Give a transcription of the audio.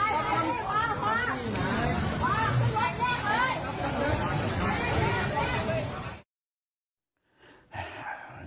วาง